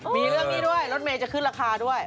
มีเรื่องนี้ด้วยรถเมย์จะขึ้นราคาด้วย